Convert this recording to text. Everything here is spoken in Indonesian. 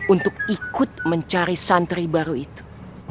untuk ikut mencari santri baru itu